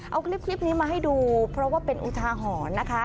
เอาคลิปนี้มาให้ดูเพราะว่าเป็นอุทาหรณ์นะคะ